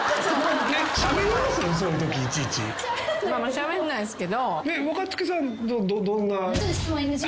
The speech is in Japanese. しゃべんないすけど。